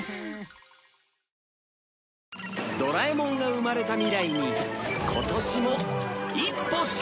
ドラえもんが生まれた未来に今年も一歩近づく